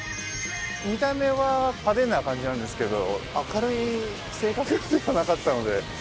見た目は派手な感じなんですけど明るい性格ではなかったので。